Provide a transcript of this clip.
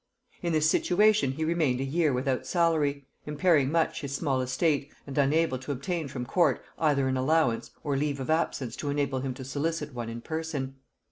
In this situation he remained a year without salary; impairing much his small estate, and unable to obtain from court either an allowance, or leave of absence to enable him to solicit one in person.